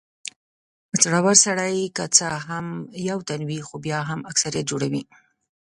زړور سړی که څه هم یو تن وي خو بیا هم اکثريت جوړوي.